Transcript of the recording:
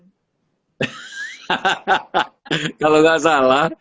hahaha kalau gak salah